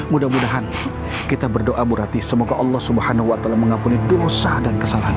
mudah mudahan kita berdoa muradih semoga allah swt mengakuni dosa dan kesalahan